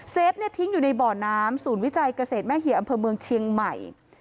ฟเนี่ยทิ้งอยู่ในบ่อน้ำศูนย์วิจัยเกษตรแม่เหี่ยอำเภอเมืองเชียงใหม่